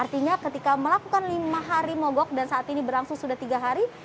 artinya ketika melakukan lima hari mogok dan saat ini berlangsung sudah tiga hari